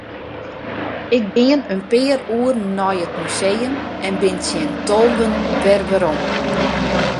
Ik gean in pear oeren nei it museum en bin tsjin tolven wer werom.